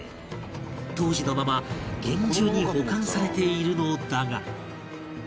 当時のまま厳重に保管されているのだが